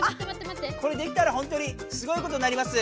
これできたら本当にすごいことになります。